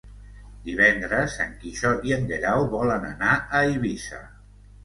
Divendres en Quixot i en Guerau volen anar a Eivissa.